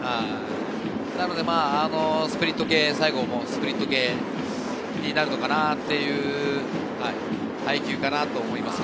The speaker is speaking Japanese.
なのでスプリット系、最後もスプリット系なるのかなという配球になるのかと思います。